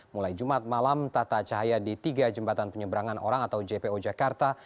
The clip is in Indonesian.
mulai jumat malam tata cahaya di tiga jembatan penyeberangan orang atau jpo jakarta